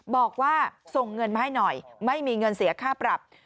บอกว่าส่งเงินมาให้หน่อยไม่มีเงินเสียค่าปรับ